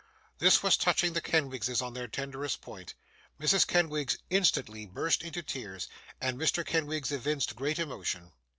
This was touching the Kenwigses on their tenderest point. Mrs. Kenwigs instantly burst into tears, and Mr. Kenwigs evinced great emotion.